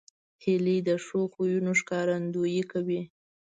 هیلۍ د ښو خویونو ښکارندویي کوي